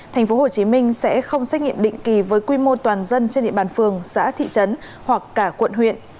thành phố hồ chí minh sẽ không xét nghiệm định kỳ với quy mô toàn dân trên địa bàn phường xã thị trấn hoặc cả quận huyện